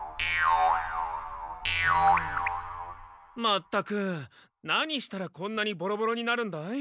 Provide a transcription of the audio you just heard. まったく何したらこんなにボロボロになるんだい？